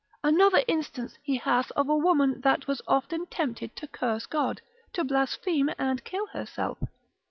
Another instance he hath of a woman that was often tempted to curse God, to blaspheme and kill herself.